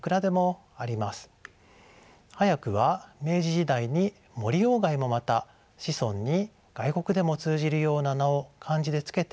早くは明治時代に森外もまた子孫に外国でも通じるような名を漢字で付けていました。